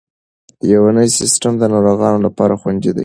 یوني سیسټم د ناروغانو لپاره خوندي دی.